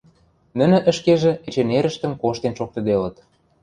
Нӹнӹ ӹшкежӹ эче нерӹштӹм коштен шоктыделыт.